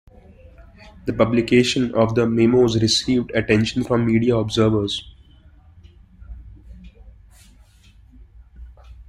The publication of the memos received attention from media observers.